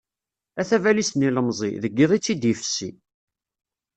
A tabalizt n yilemẓi, deg yiḍ i tt-id-ifessi.